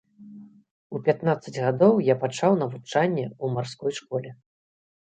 У пятнаццаць гадоў я пачаў навучанне ў марской школе.